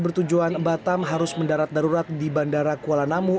bertujuan batam harus mendarat darurat di bandara kuala namu